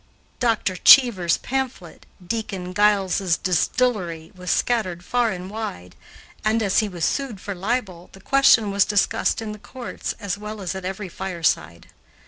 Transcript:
Dr. Cheever's pamphlet, "Deacon Giles' Distillery," was scattered far and wide, and, as he was sued for libel, the question was discussed in the courts as well as at every fireside.